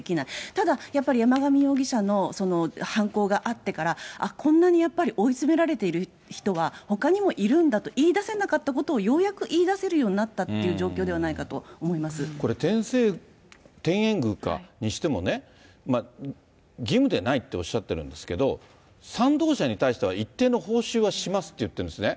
ただ、やっぱり山上容疑者の犯行があってから、こんなにやっぱり追い詰められている人は、ほかにもいるんだと、言い出せなかったことをようやく言いだせるようになったっていうこれ、天苑宮か、にしてもね、義務でないとおっしゃってるんですけど、賛同者に対しては一定の報酬はしますって言ってるんですね。